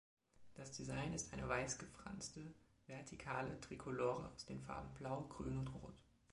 Das Design ist eine weiß-gefranste vertikale Trikolore aus den Farben blau, grün und rot.